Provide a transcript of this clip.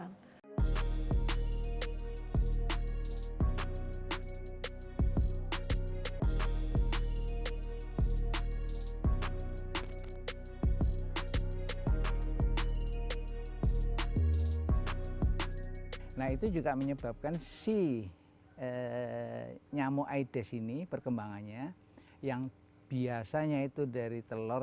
nah itu juga menyebabkan si nyamuk aedes ini perkembangannya yang biasanya itu dari telur